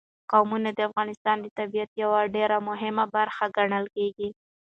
قومونه د افغانستان د طبیعت یوه ډېره مهمه برخه ګڼل کېږي.